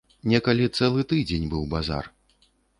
Некалі цэлы тыдзень быў базар.